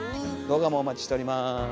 動画もお待ちしております。